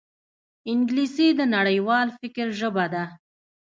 انګلیسي د نړیوال فکر ژبه ده